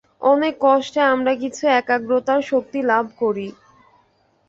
অনেক কষ্টে আমরা কিছু একাগ্রতার শক্তি লাভ করি।